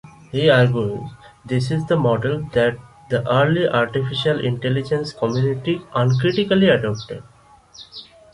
He argues, this is the model that the early artificial intelligence community uncritically adopted.